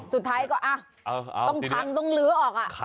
สุดท้ายก็ต้องพังต้องลื้อออก